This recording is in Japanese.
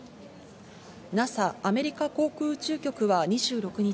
ＮＡＳＡ＝アメリカ航空宇宙局は２６日、